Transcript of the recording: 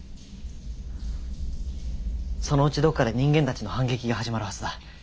そのうちどっかで人間たちの反撃が始まるはずだ。